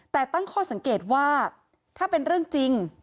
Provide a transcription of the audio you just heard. แต่ตั้งข้อสังเกตว่าถ้าเป็นเรื่องจริง